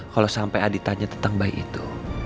kalo sampe adi tanya tentang bayi itu